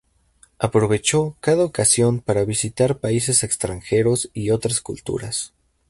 Aprovechó cada ocasión para visitar países extranjeros y otras culturas.